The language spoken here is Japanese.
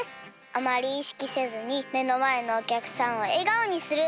あまりいしきせずにめのまえのおきゃくさんをえがおにする。